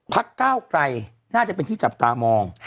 ก้าวไกลน่าจะเป็นที่จับตามอง